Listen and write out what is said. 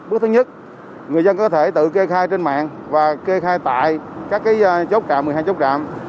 bước thứ nhất người dân có thể tự kê khai trên mạng và kê khai tại các chốt trạm